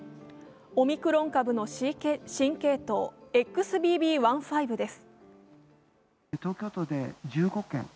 オミクロン株の新系統ＸＢＢ．１．５です。